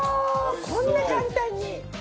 こんな簡単に。